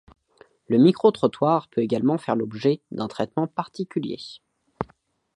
Le micro-trottoir peut également faire l'objet d'un traitement particulier.